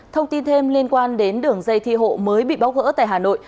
thông tin thêm liên quan đến đường dây thi hộ mới bị bóc gỡ tại hà nội